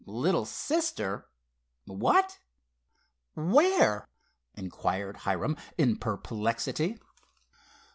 "Little sister—what? Where?" inquired Hiram, in perplexity.